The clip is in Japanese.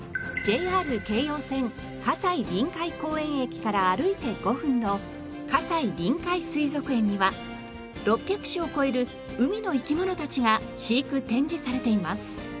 ＪＲ京葉線西臨海公園駅から歩いて５分の西臨海水族園には６００種を超える海の生き物たちが飼育展示されています。